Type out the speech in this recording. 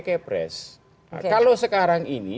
kayak press kalau sekarang ini